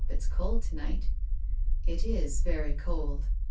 It's cold to night." " It is very cold."